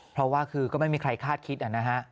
เพราะว่าคือก็ไม่มีใครคาดคิดนะฮะ